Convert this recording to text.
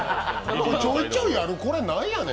ちょいちょいあるこれなんやねん。